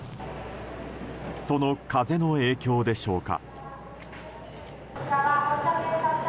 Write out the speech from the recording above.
その風の影響でしょうか。